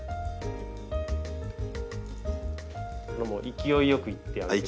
勢いよくいってあげてください。